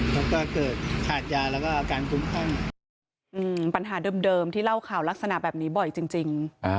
แล้วก็เกิดขาดยาแล้วก็อาการคุ้มคลั่งปัญหาเดิมที่เล่าข่าวลักษณะแบบนี้บ่อยจริง